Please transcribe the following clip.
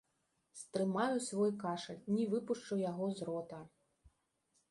Стрымаю свой кашаль, не выпушчу яго з рота.